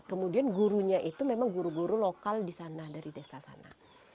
kemudian gurunya itu memang guru guru lokal di sana dari desa sana